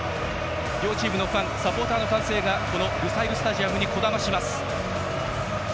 両チームのファンサポーターの歓声がこのルサイルスタジアムにこだまします。